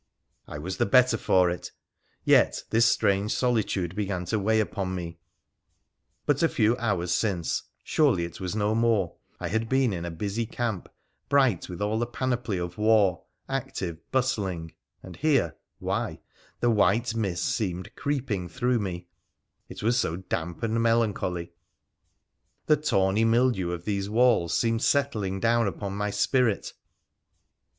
I was the better for it, yet this strange solitude began to weigh upon me. But a few hours since — surely it was no more — I had been in a busy camp, bright with all tbe panoply of war, active, bustling ; and here — why, the white mists seemed creeping through me, it was so damp and melancholy, the tawny mildew of these walls seemed settling down upon my spirit.